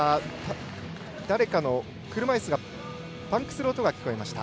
誰かの車いすがパンクする音が聞こえました。